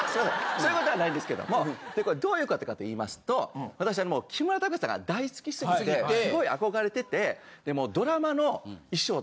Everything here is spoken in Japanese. そういうことはないんですけどもこれどういう事かといいますと私はもう木村拓哉さんが大好きすぎてすごい憧れててでもう。